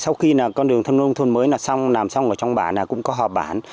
sau khi là con đường thâm nông thôn mới là xong nằm xong ở trong bản là cũng có họp bản